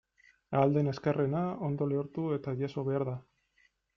Ahal den azkarrena ondo lehortu eta jaso behar da.